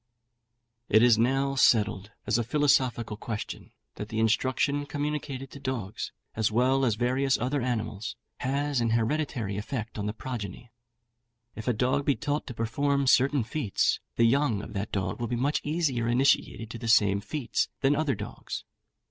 It is now settled, as a philosophical question, that the instruction communicated to dogs, as well as various other animals, has an hereditary effect on the progeny. If a dog be taught to perform certain feats, the young of that dog will be much easier initiated in the same feats than other dogs.